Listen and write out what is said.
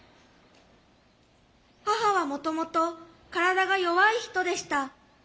母はもともと体が弱い人でした。